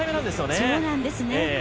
そうなんですよね。